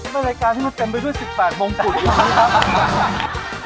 เป็นรายการที่มันเต็มไปด้วย๑๘โมงกุ่นอีกมั้ยครับ